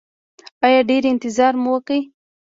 ایا ډیر انتظار مو وکړ؟